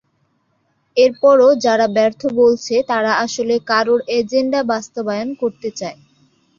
এরপরও যারা ব্যর্থ বলছে, তারা আসলে কারোর এজেন্ডা বাস্তবায়ন করতে চায়।